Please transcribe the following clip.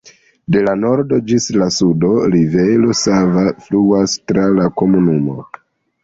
De la nordo ĝis la sudo, rivero Sava fluas tra la komunumo.